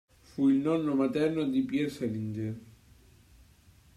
Fu il nonno materno di Pierre Salinger.